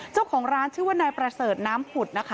เจ้าของร้านชื่อว่านายประเสริฐน้ำผุดนะคะ